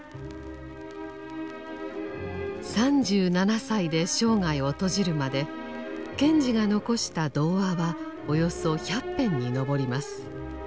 ３７歳で生涯を閉じるまで賢治が残した童話はおよそ１００編にのぼります。